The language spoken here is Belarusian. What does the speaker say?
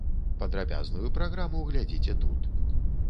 Падрабязную праграму глядзіце тут.